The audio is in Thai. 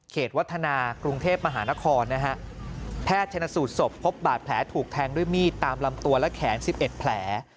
วัฒนากรุงเทพมหานครนะฮะแพทย์ชนสูตรศพพบบาดแผลถูกแทงด้วยมีดตามลำตัวและแขน๑๑แผล